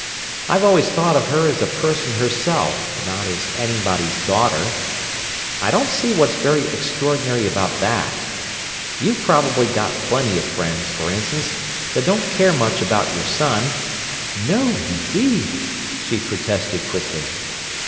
I've always thought of her as a person herself, not as anybody's daughter. I don't see what's very extraordinary about that. You've probably got plenty of friends, for instance, that don't care much about your son—" "No, indeed!" she protested quickly.